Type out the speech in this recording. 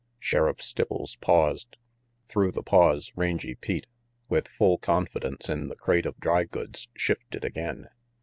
Sheriff Stipples paused. Through the pause, Rangy Pete, with full confidence in the crate of dry goods, shifted again.